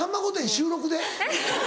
収録で？